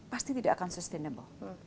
pasti tidak akan sustainable